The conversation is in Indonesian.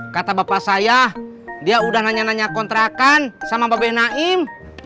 kata bapak saya dia udah nanya nanya kontrakan sama bapak b naim